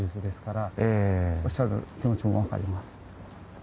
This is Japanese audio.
おっしゃる気持ちも分かります。